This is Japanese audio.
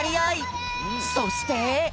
そして。